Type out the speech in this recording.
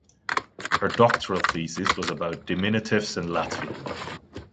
Her doctoral thesis was about diminutives in Latvian.